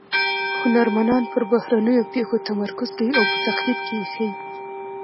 هنرمنان پر بهرنیو پېښو تمرکز کوي او په تقلید کې یې ښيي